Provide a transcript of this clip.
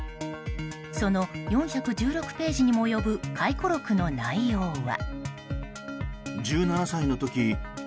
その４１６ページにも及ぶ回顧録の内容は。